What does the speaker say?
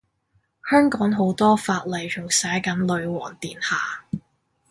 香港好多法例仲寫緊女皇陛下